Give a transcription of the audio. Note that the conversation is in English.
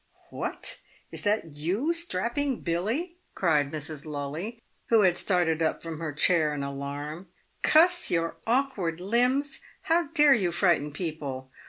" What ! is that you, strapping Billy ?" cried Mrs. Lully, who had started up from her chair in alarm. " Cuss your awkard limbs ! how dare you frighten people